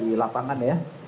di lapangan ya